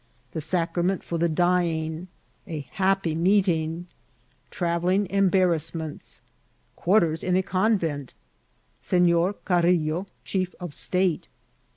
— The SacrameDt for the Dyiof.~A happy MeeUng.— Travelling EmbarraaamenU.— Qaartera in a CooTant— Senor CariUo, Chief of State.